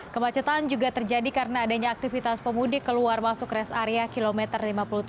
kemacetan juga terjadi karena adanya aktivitas pemudik keluar masuk rest area kilometer lima puluh tiga